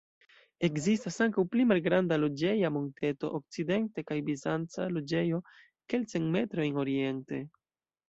Ekzistas ankaŭ pli malgranda loĝeja monteto okcidente kaj bizanca loĝejo kelkcent metrojn oriente.